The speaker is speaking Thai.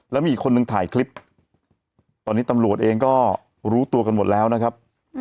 แล้วมีอีกคนนึงถ่ายคลิปตอนนี้ตำรวจเองก็รู้ตัวกันหมดแล้วนะครับ